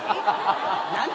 何？